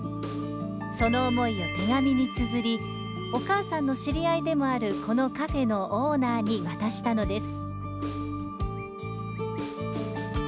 その思いを手紙につづりお母さんの知り合いでもあるこのカフェのオーナーに渡したのです